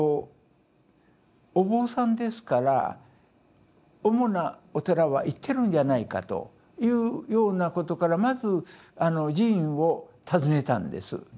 お坊さんですから主なお寺は行ってるんじゃないかというようなことからまず寺院を訪ねたんです。